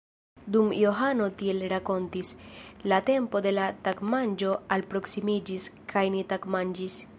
Dum Johano tiel rakontis, la tempo de tagmanĝo alproksimiĝis, kaj ni tagmanĝis.